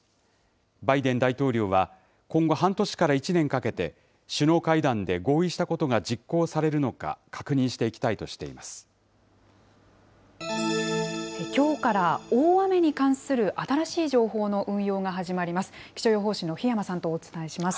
バイデン大統領は、今後半年から１年かけて、首脳会談で合意したことが実行されるのか、確認していきたいとしきょうから大雨に関する新しい情報の運用が始まります。